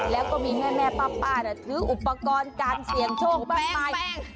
แล้วก็มีแม่ป้าเนี่ยซื้ออุปกรณ์การเสียงโชคแปลง